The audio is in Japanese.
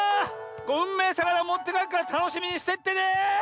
うんめえさかなもってかえっからたのしみにしてってね！